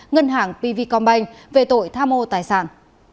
ngân hàng pv combine về tội tham mô tài sản